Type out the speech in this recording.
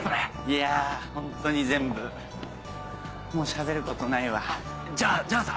いやホントに全部もうしゃべることないわじゃあさ